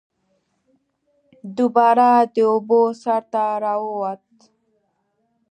دوباره د اوبو سر ته راووت